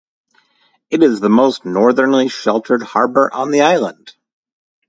It is the most northerly sheltered harbour on the island.